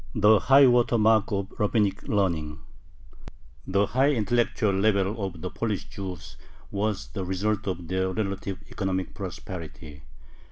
THE HIGH WATER MARK OF RABBINIC LEARNING The high intellectual level of the Polish Jews was the result of their relative economic prosperity.